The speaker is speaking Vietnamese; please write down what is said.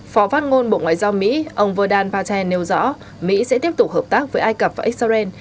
phó phát ngôn bộ ngoại giao mỹ ông verdan patel nêu rõ mỹ sẽ tiếp tục hợp tác với ai cập và israel